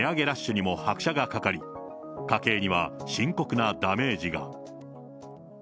ラッシュにも拍車がかかり、家計には深刻なダメージが。